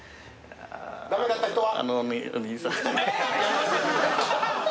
駄目だった人は？